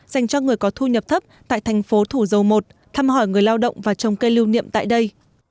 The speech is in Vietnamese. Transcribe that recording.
dành cho người có thu nhập thấp tại thành phố thủ dầu một thăm hỏi người lao động và trồng cây lưu niệm tại đây